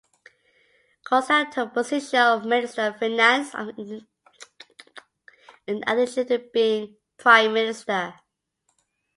Kolstad took the position of Minister of Finance in addition to being prime minister.